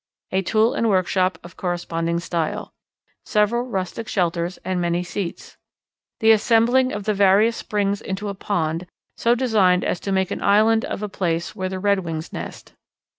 A tool and workshop of corresponding style. Several rustic shelters and many seats. "The assembling of the various springs into a pond, so designed as to make an island of a place where the Redwings nest.